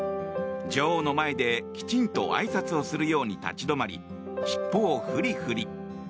女王の前できちんとあいさつをするように立ち止まり尻尾をふりふり。